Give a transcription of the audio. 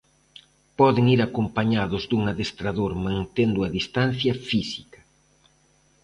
Poden ir acompañados dun adestrador mantendo a distancia física.